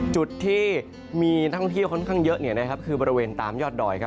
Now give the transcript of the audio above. จุดที่มีนักท่องเที่ยวค่อนข้างเยอะคือบริเวณตามยอดดอย